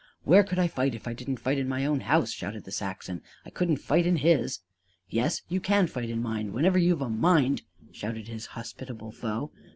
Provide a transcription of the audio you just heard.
"Where could I fight if I didn't fight in my own house?" shouted the Saxon. "I couldn't fight in his." "Yes; you can fight in mine whenever you've a mind!" shouted his hospitable foe.